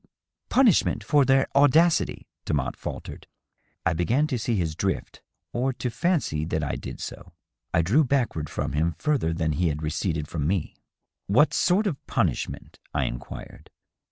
. punishment for their audacity," Demotte faltered. I began to see his drift, or to fancy that I did so. I drew back ward from him further than he had receded from me. " What sort of punishment?" I inquired.